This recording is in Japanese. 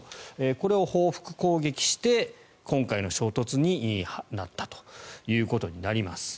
これを報復攻撃して今回の衝突になったということになります。